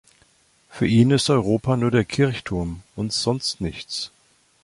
Für ihn ist Europa nur der Kirchturm und sonst nichts.